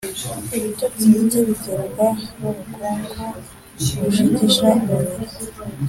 Ibitotsi bike biterwa n’ubukungu bushegesha umubiri,